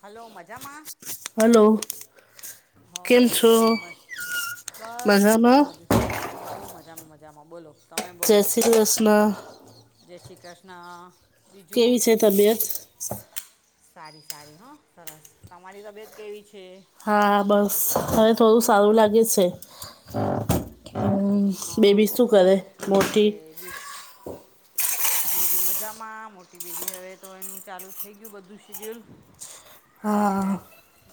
Hello મજામાં? Hello. હ કેમ છો બોલો મસ બસ બહુ મજામાં મજા. હોવ મજામાં મજામાં. બોલો તમે જય બોલો? શ્રી કૃષ્ણ જય શ્રી કૃષ્ણ, બીજું? કેવી છે તબિયત સારી સારી હા સરસ. તમારી તબિયત કેવી છે? હા બસ હવે થોડું સારું લાગે છે. હા બેબી હા શું કરે ઠીક મોટી? [unintelligible] બેબી મજામાં મોટી બેબી હવે તો એનું ચાલુ થઈ ગયું બધું શેડ્યુલ. એટલે હા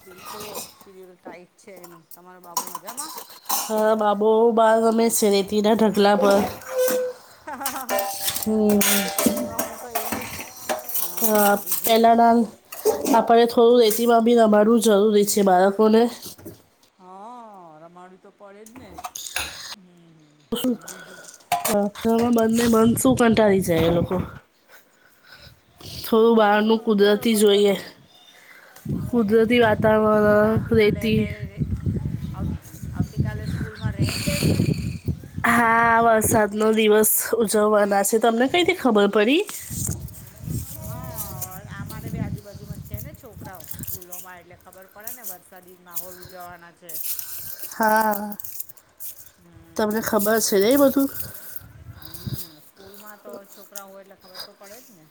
બિલકુલ સીરયલ ટાઈટ છે એનું. તમારો બાબુ મજામાં? હા બાબુ બાર અમે સરેતી ના ઢગલા પર. હ હા એ તો છોકરાઓનું તો એવું જ ને. અ હા બીજું પહેલાના આપણે થોડું રેતી માં બી નબાડવું જરૂરી છે, બાળકોને. હા રમાડું તો પડે જ ને. હમ હમ બીજું [inaudible] શું કંટાળી જાય એ લોકો. થોડું બહારનું હા કુદરતી બરોબર જોઈએ. બરોબર કુદરતી હમ તો વાતાવરણ, આવતીકાલે રેતી. એને આવ આવતીકાલે સ્કૂલમાં રેન ડે છ હા વરસાદ નો દિવસ ઉજવવાના છે, તમને કઈથી ખબર પડી? હા અમારે ભી આજુબાજુમાં છે ને છોકરાઓ સ્કૂલોમાં એટલે ખબર પડે ને વરસાદી માહોલ ઉજવવાના છે. હા હમ તમને હમ ખબર છે ન એ બીજું બધું. હમ સ્કૂલ માં તો છોકરા હોય એટલે ખબર તો પડે જ ને.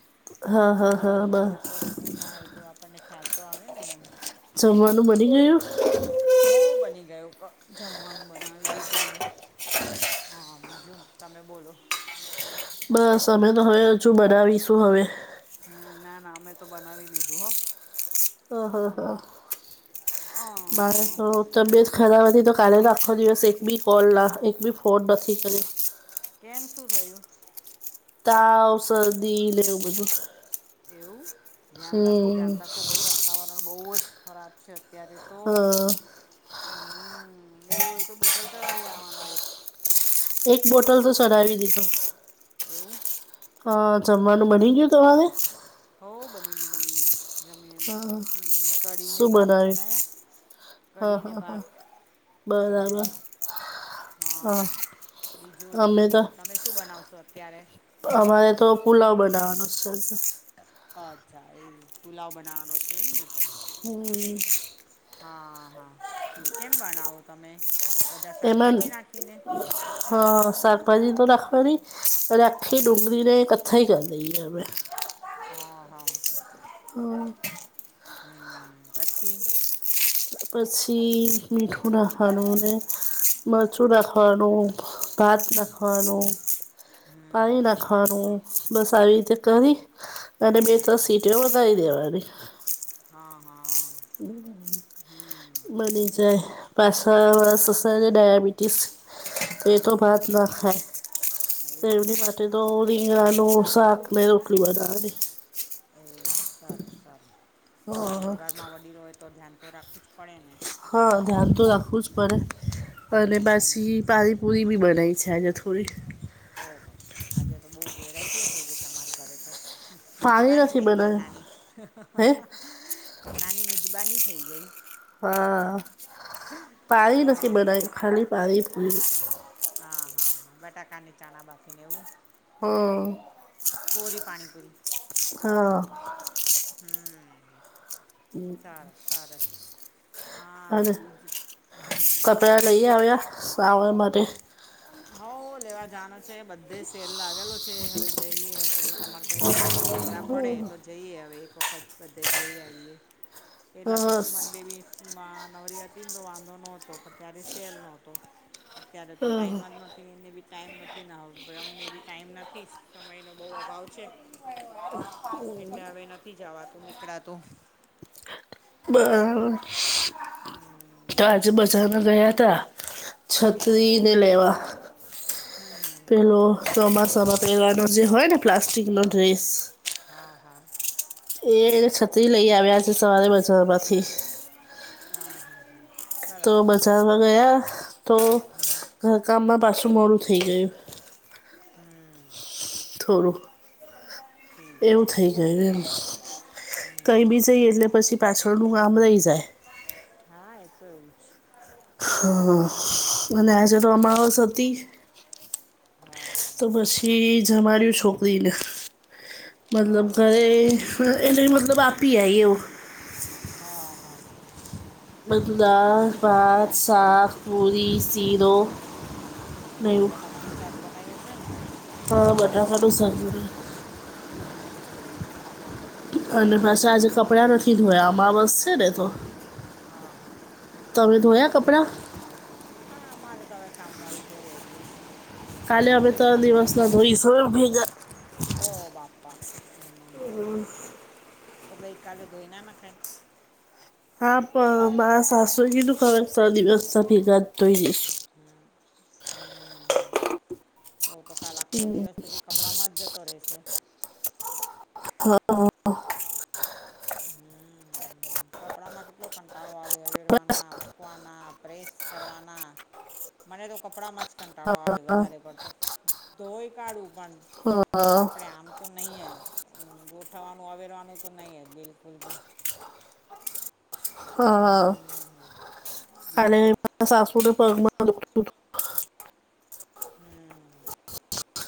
હા હા હા આજુબાજુ બ ના છોકરાઓ સ્કૂલમાં હોય તો આપણને ખ્યાલ તો આવે ને. જમવાનું બની ગયું? હો બની ગયું જમવાનું બનાવી દીધું. હા બીજું, તમે બોલો? બસ અમે તો હવે હજુ બનાવીશું હવે. હમ ના ના અમે તો બનાવી લીધું હ. હ હ હમ હા મારે હા. તો તબિયત ખરાબ હતી તો કાલેનો આખો દિવસ એક બી કોલ ના એક બી ફોન નથી કર્યો. કેમ શું થયું? તાવ, શરદી નેવું બધું. એવું ધ્યાન રાખો હમ ધ્યાન રાખો ભાઈ આ વાતાવરણ બહુ જ ખરાબ છે અત્યારે તો. હા હમ એવું હોય તો બોટલ ચડાવી આવાનો એક. એક બોટલ તો ચડવી દીધો. એવું? હા. જમવાનું બની ગયું તમારું? હોઉ બની ગયું બની ગયું જમી કઢી શું ને ભાત બનાવ્યું બનાયા. હા હા હા બરાબર. હા હા બીજું તમે અમે તો બોલો તમે શું બનાવશો અત્યારે? અમારે તો પુલાવ બનાવવાનો છે. અચ્છા એ ચુલાવ બનાવાનો છે એમ ને? હમ. હા હા, કેમ બનાવો તમે? બધા એમાં શાકભાજી નાખીને હ શાકભાજી તો રાખવાની રાખી હમ ડુંગી ને એ કથઈ કર દઈ એ મે હા હા હમ હ પછી પછી મીઠું નાખાવાનું અને મરચું નાખવાનું ભાત નાખવાનું હમ પાણી હમ નાખવાનું બસ આવી રીતે કરી હમ અને બે ત્રણ હમ સીટી વધારી દેવાની હા હા હમ બની જાય પાછળ વાળા સુસા ડાયાબી ટીસ તો એ તો હા ભાત ના ખાય તો એવું એમની માટે તો રીંગણાનું સાકને રોટલી બનાવાની એ સારું સારું હવે હા ઘરમાં વડીલો હોય તો ધ્યાન તો રાખવું જ પડે ને. હા ધ્યાન તો રાખવું જ પડે અને હમ પછી પાણીપુરી બી બનાવી અચછાજ થોડી ઓહ આજે તો બહુ વેરાયટીઓ થઈ ગઈ તમારા ઘરે તો. પાણી મિજબાની નથી થઈ ગઈ બનાવ્યું નાની. હે નાની મિજબાની થઈ ગઈ. હા પાળી નથી હા બનાવી ખાલી પાળી પી હા હા હા બટાકા ની ચાણા બાફીને એવું? હમ કોરી પાણીપુરી હા હમ સારું સરસ. હ હા બીજું હમ કપડા લઈ આવ્યા આવ્યા સાવન માટે? હ લેવા જાવન છે બધે સેલ લાગેલો છે હવે જઈએ જોઈ તમારે ભાઈ મોટ નવરા પડે તો જઈએ હવે એક વખત બધે જોઈ આવીએ. પેલા તો હસ શું મારી બેબી નવરી હતી ને તો વાંધો નહોતો પણ ત્યારે સેલ નતો અત્યારે તો ટાઈમ જ નથી એને બી ટાઈમ નથી હવે અમને બી ટાઈમ નથી સમયનો બહુ અભાવ છે. [unintelligible] [unintelligible] એટલે હવે નથી જવાતું નીકળાતું. બરાબર હમ તો આજે બજારમાં ગયા તા એવું છત્રીને લેવા. હમ હમ પેલો ચોમાસામાં પહેરવાનો જે હોય ને પ્લાસ્ટિક નો ડ્રેસ. હા હા એ છત્રી લઇ આવ્યા છે સવારે બજારમાંથી હા હા હા તો સરસ સરસ બજારમાં ગયા તો હમ ઘરકામમાં પાછું મોડું થઈ ગયું. હમ થોડું ઠીક એવું છે થઈ ગયું એમ હમ કઈ બીજ જઈએ એટલે પછી પાછળનું આમ રહી જાય. હા એ તો એવું જ. હા અને આજે તો હમ અમાવસ હતી. હા તો પછી જ અમારી છોકરીને મતલબ હા હા ઘરે હા એને મતલબ આપી આએ એવુ હા હા બઘુ દાર, ભાત, સાક, પૂરી, શીરો ને હમ્મ, એવું બટાકાનું શાક બનાયું હશે ને? હા બટાકાનું શાક બનાયું. હમ્મ. અને પાશા આજે કપડાં નથી ધોયા અમાવસ છે ને તો. હા હા. તમે ધોયાં કપડાં? હા, અમારે તો અવે કામવાળી ધોવે એટલે શું? કાલે અમે ચાલશે તો દિવસના ધોઈશ હવે ભેગાં ઓહ બાપા! હમ્મ તો ગઈકાલે ધોઈ ના નખાય? હા પણ મારા સાસુએ કીધું ત ત્રણ દિવસના ભેગાં જ ધોઈ દઈશ. હમ્મ, તો તો કાલ આખો દિવસ પછી કપડાંમાં જ જતો રહેશે. હ [unintelligible] હમ્મ, કપડામાં કેટલો કંટાળો આવે વેરવાના મૂક વાના, પ્રેસ કરવાનાં. મને તો કપડાંમાં જ કંટાળો આવે વધારે પડતો ધોય કાઢું. પણ હા આપણેે આમ તો નય જ ગોઠવવાનું, અવેરવાનું તો નય જ બિલ કુલ બી. હા હમ કાલે બીજું સાસુને પગમાં દુઃખતું તું. હમ્મ.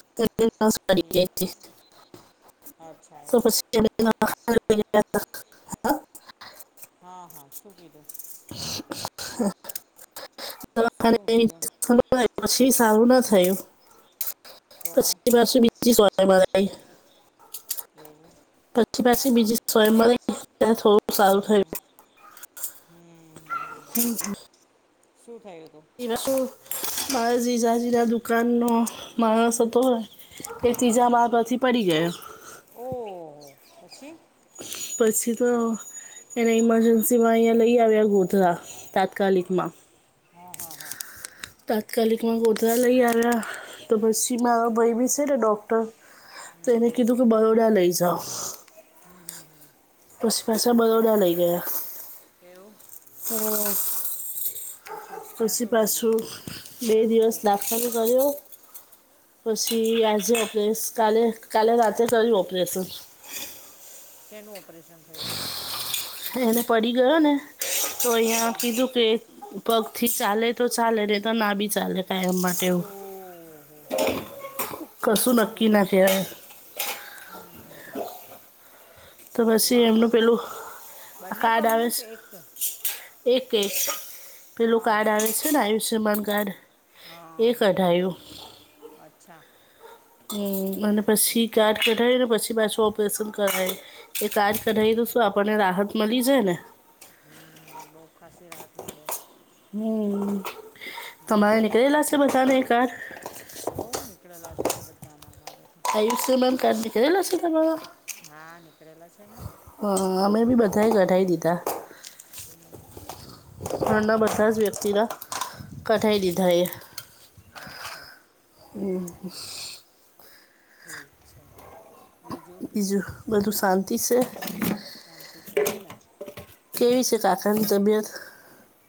તે તો અચ્છા એવું નસ [inaudible] [inaudible] હ હ શું કીધું? [inaudible] [inaudible] શું કીધું પછી સારું ન થયું. તો પછી પાછું બીજી સોય મરાઈ. એવું! પછી પાછી બીજી સોય મરાઈ ત્યારે થોડુંક સારું થયું. હમ હમ હમ હમ [unintelligible] શું થયું તું? એમાં શું મારા જીજાજીના દુકાનનો માણસ હતો. એ ત્રીજા માળ પરથી પડી ગયો. ઓહોહો! પછી? પછી તો એને ઈમરજન્સીમાં અહીંયા લઈ આવ્યા ગોધરા તાત્કાલિકમાં. અ હ હ. તાત્કાલિકમાં ગોધરા લઈ આવ્યાં. તો પછી મારો ભય બી છે ને ડોક્ટર તો એને કીધું કે બરોડા લઈ જાવ. પછી પાછાં બરોડા લઈ ગયાં એવું હમ્મ. પછી ત્યાં પસી શું કીધું પાછું બે ત્યાં શું દિવસ કીધું દાખલ કર્યો. પછી આજે એટલે કાલે કાલે રાત્રે કર્યુ ઓપરેશન. શેનું ઓપરેશન થયું? એને પડી ગયોને તો અહિયાં હા કીધું કે પગથી ચાલે તો ચાલે નહિં તો ના બી ચાલે. એમ માટે એવું ઓહો હો એટલું કશું નક્કી બધું ના કહેવાય. તો એવું પસી એમનું કીધું પેલું બંને કાર્ડ આવે પગનું શ કે એક એ કેય પેલું હા કાર્ડ આવે છ. છે આયુષ્યમાન કાર્ડ. અ એ કઢાયું હ અચ્છા. હમ્મ અને પસી કાર્ડ કઢાયું ને પછી પાછું ઓપરેશન કરાયું. એ પાસ કઢાવી તો શું આપણને રાહત મળી જાય ને હમ બહુ ખાાસી રાહત મળે હમ, તમારે નીકળેલા છે બધા ને એ કાડૅ હો, નીકળેલા જ છે બધા ના અમારે તો આયુષ્યમાન કાડૅ નિકળેલા સે તમારે હા, નીકળેલા છે ને હ, અમે બી બધા એ કઢાવી દીધા [unintelligible] ઘરના બધા જ વ્યક્તિના કઢાઈ દીધા એ અચ્છા હમ એવું છે બીજું બધું શાંતિ સે શાંતિ છે હો ને કેવી સે કાકાની તબિયત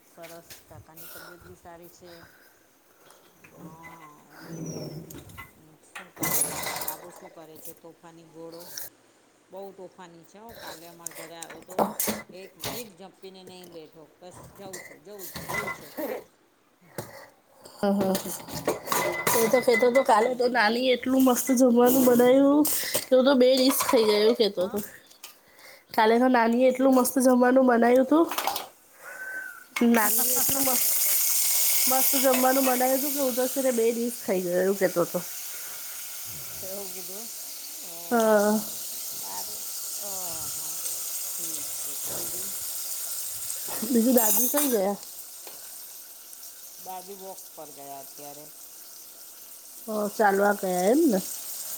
સરસ, કાકાની તબિયત બી સારી છે હા એ શું કરે, તમારું બાબુ શું કરે છે તોફાની ઘોડો બહુ તોફાની છે હો કાલે અમાર ઘરે આયો તો એક મિનિટ જપ્પીને નહી બેઠો બસ જઉં છું, જઉં છું, જવં સે હહા હ એ તો કેતો તો કાલે તો નાલીર એટલું મસ્ત જમવાનું બનાયું, તુ તો બે ડીસ ખઈ જાય કેતો હા તો, કાલેહ નાની એ શું એટલું કીધું મસ્ત જમવાનું બનાયું તું, નાની એટલું મસ્ત મસ્ત જમવાનું બનાયુ તું કે હું તો બે દિસ ખાઈ ગયો એવું કેતો તો એવું કીધું, હ, હ, હા હ કાર હઅ, ઠીક છે બીજું બીજું દાદી કઈ ગયા દાદી વોક પર ગયા અત્યારે હ ચાલવા ગયા એમ ને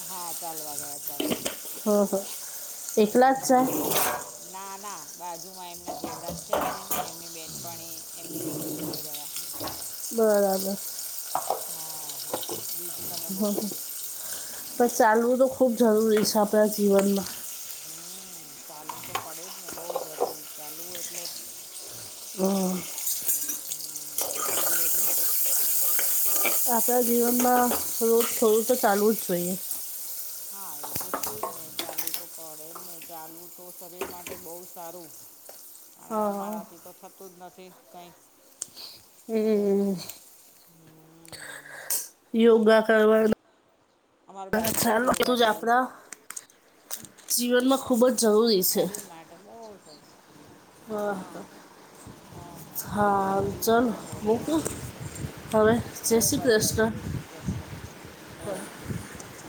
હા, ચાલવા, ગયા ચાલવા હ, હ, એકલા જ હમ ના, ના બાજુમાં એમના જેવડા જ છે ને એમની બેહેનપણી એમની જોડે જોડે ગયા બરાબર હા, હા, બીજું તમે બોલો પણ ચાલવું તો ખુબ જરૂરી છે આપણા જીવનમાં હમ, ચાલવું તો પડે જ ને બહુ જરૂરી ચાલવું એટલે હમ હું બીજું બધુ આપણા જીવનમાં રોજ થોડું તો ચાલવું જ જોઈએ હા એ તો છે જ ને ચાલવું તો પડે જ ને ચાલવું તો શરીર માટે બહુ સારું [unintelligible] આ હા અમારાથી તો થતું જ નથી કાઈ, એ એટલે હમ યોગા કરવાનું અમારી બાજુમાં યોગા [unintelligible] જ ચાલુ આપડા જીવનમાં ખુબ જ જરૂરી છે શરીર માટે બોવ સરસ હા હા હા હા હા બીજું ચાલો તમે બોલો આ મૂકું હવે હો જય શ્રી ભલે ભલે કૃષ્ણ જય શ્રી કૃષ્ના ઓ ઠીક છે.